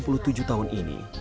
selama enam puluh tujuh tahun ini